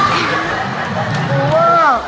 คือว่า